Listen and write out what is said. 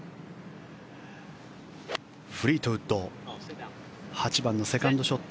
フリートウッド８番のセカンドショット。